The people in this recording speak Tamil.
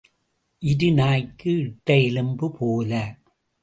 இரு நாய்க்கு இட்ட எலும்பு போல.